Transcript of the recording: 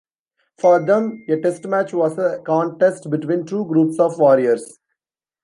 For them, a Test match was a contest between two groups of warriors.